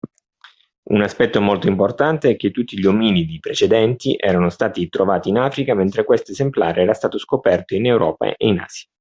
Un aspetto molto importante è che tutti gli ominidi precedenti erano stati trovati in Africa mentre questo esemplare era stato scoperto in Europa e in Asia.